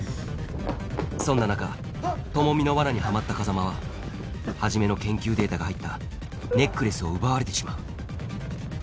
そんな中朋美の罠にはまった風真は始の研究データが入ったネックレスを奪われてしまう